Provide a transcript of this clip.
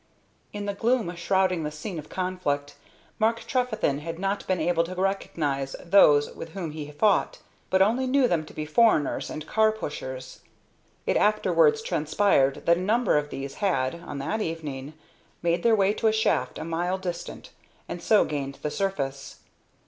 In the gloom shrouding the scene of conflict, Mark Trefethen had not been able to recognize those with whom he fought, but only knew them to be foreigners and car pushers. It afterwards transpired that a number of these had, on that evening, made their way to a shaft a mile distant, and so gained the surface.